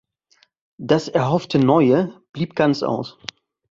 Das erhoffte Neue blieb ganz aus.